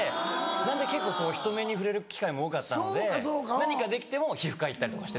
なので結構人目に触れる機会も多かったので何かできても皮膚科行ったりとかして。